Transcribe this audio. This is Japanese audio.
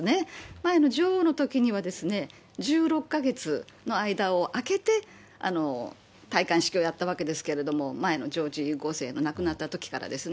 前の女王のときには、１６か月の間を開けて、戴冠式をやったわけですけれども、前のジョージ５世の亡くなったときからですね。